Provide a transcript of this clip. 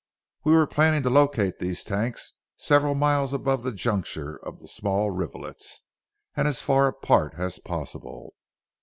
We were planning to locate these tanks several miles above the juncture of the small rivulets, and as far apart as possible.